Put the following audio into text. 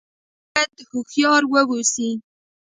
انسان بايد هوښيار ووسي